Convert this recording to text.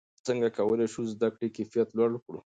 څنګه کولای سو د زده کړې کیفیت لوړ کړو؟